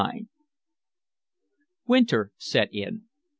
XXIX Winter set in.